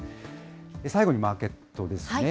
最後にマーケットですね。